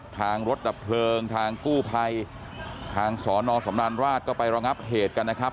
ทางรถดับเพลิงทางกู้ภัยทางสอนอสำราญราชก็ไประงับเหตุกันนะครับ